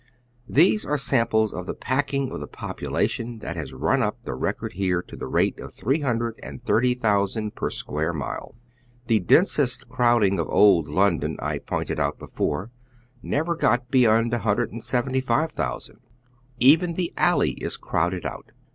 These are samples of the packing of the population that has rnn up the record here to the rate of three hnndred and thirty thousand per square mile. The densest crowding of Old London, I pointed out before, never got beyond a hundred and seventy five thousand. Even tlie alley is crowded out.